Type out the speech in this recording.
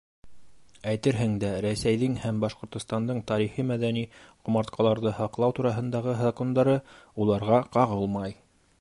Әйтерһең дә, Рәсәйҙең һәм Башҡортостандың тарихи-мәҙәни ҡомартҡыларҙы һаҡлау тураһындағы закондары уларға ҡағылмай.